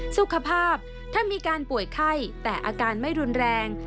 สุขภาพถ้ามีการป่วยไข้แต่อาการไม่รุนแรง